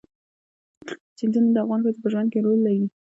سیندونه د افغان ښځو په ژوند کې رول لري.